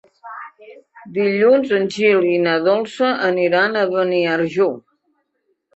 Dilluns en Gil i na Dolça aniran a Beniarjó.